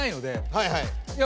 はいはい。